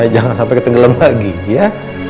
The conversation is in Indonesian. jangan sampai ketenggelam lagi ya